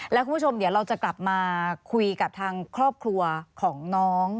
แล้วคุณผู้ชมเดี๋ยวเราจะกลับมาคุยกับทางครอบครัวของน้อง